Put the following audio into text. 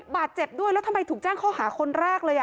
บาดเจ็บด้วยแล้วทำไมถูกแจ้งข้อหาคนแรกเลย